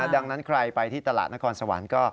ดังนั้นใครไปที่ตลาดนครสวรรค์